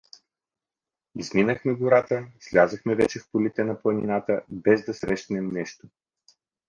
Изминахме гората, слязохме вече в полите на планината, без да срещнем нещо.